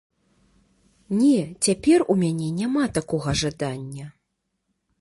Не, цяпер у мяне няма такога жадання.